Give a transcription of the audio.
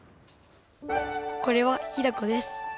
これはひだこです。